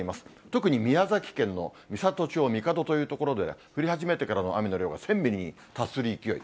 特に宮崎県の美郷町神門という所で、降り始めてからの雨の量が１０００ミリに達する勢い。